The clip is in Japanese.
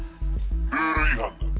ルール違反だ。